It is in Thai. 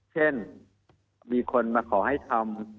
เช่นมีคนมาขอให้ทำ